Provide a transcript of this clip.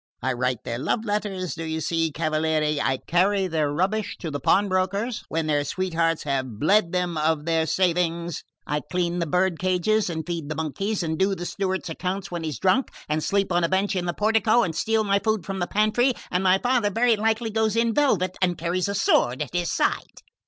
I write their love letters, do you see, cavaliere, I carry their rubbish to the pawnbroker's when their sweethearts have bled them of their savings; I clean the birdcages and feed the monkeys, and do the steward's accounts when he's drunk, and sleep on a bench in the portico and steal my food from the pantry...and my father very likely goes in velvet and carries a sword at his side."